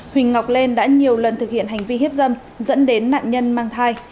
huỳnh ngọc lên đã nhiều lần thực hiện hành vi hiếp dâm dẫn đến nạn nhân mang thai